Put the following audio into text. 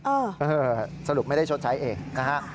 เออสรุปไม่ได้ชดใช้เองนะฮะ